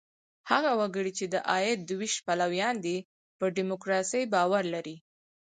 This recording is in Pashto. هغه وګړي، چې د عاید د وېش پلویان دي، پر ډیموکراسۍ باور لري.